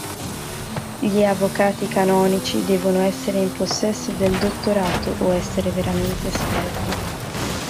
Gli Avvocati canonici devono essere in possesso del dottorato o essere veramente esperti.